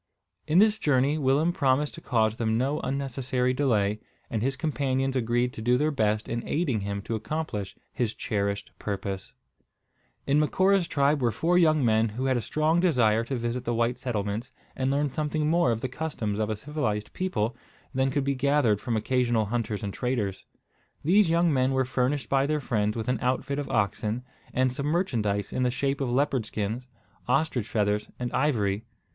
In this journey Willem promised to cause them no unnecessary delay; and his companions agreed to do their best in aiding him to accomplish his cherished purpose. In Macora's tribe were four young men who had a strong desire to visit the white settlements, and learn something more of the customs of a civilised people than could be gathered from occasional hunters and traders. These young men were furnished by their friends with an outfit of oxen, and some merchandise in the shape of leopard skins, ostrich feathers, and ivory.